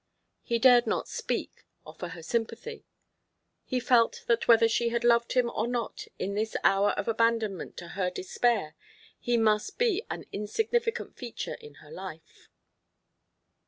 He dared not speak, offer her sympathy. He felt that whether she had loved him or not in this hour of abandonment to her despair, he must be an insignificant feature in her life.